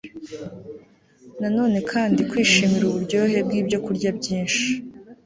na none kandi kwishimira uburyohe bwibyokurya byinshi